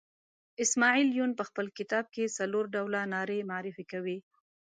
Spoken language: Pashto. اسماعیل یون په خپل کتاب کې څلور ډوله نارې معرفي کوي.